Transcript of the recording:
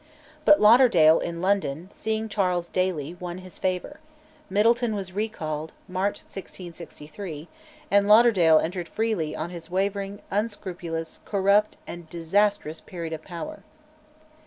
But Lauderdale, in London, seeing Charles daily, won his favour; Middleton was recalled (March 1663), and Lauderdale entered freely on his wavering, unscrupulous, corrupt, and disastrous period of power.